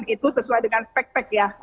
itu sesuai dengan spectec ya